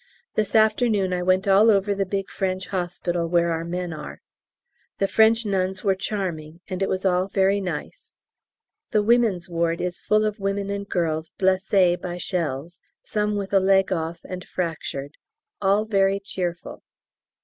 This afternoon I went all over the big French hospital where our men are. The French nuns were charming, and it was all very nice. The women's ward is full of women and girls blessées by shells, some with a leg off and fractured all very cheerful.